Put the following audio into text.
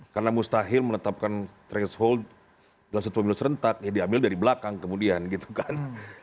karena mustahil menetapkan threshold dalam satu pemilu serentak ya diambil dari belakang kemudian gitu kan